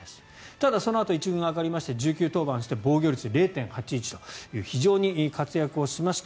ただ、そのあと１軍に上がりまして１９登板して防御率０．８１と非常に活躍しました。